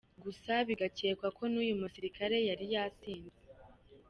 Gusa bigakekwa ko n’uyu musirikare yari yasinze.